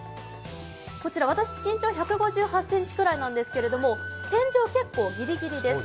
私、身長１５８ｃｍくらいなんですけど天井、結構ギリギリです。